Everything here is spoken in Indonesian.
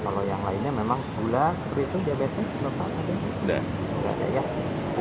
kalau yang lainnya memang gula kri itu diabetes